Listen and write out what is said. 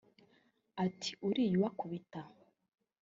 Ati “Uriya ubakubita